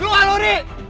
luar lu lirik